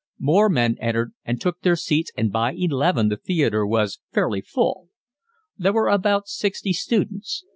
More men entered and took their seats and by eleven the theatre was fairly full. There were about sixty students.